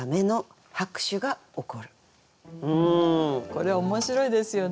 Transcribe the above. これ面白いですよね。